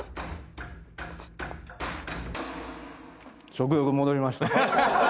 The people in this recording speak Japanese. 食欲戻りました。